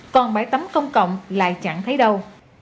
còn bãi tắm công cộng lại chẳng thấy đâu